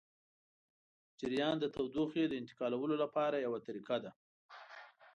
جریان د تودوخې د انتقالولو لپاره یوه طریقه ده.